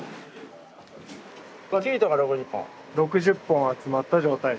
６０本集まった状態？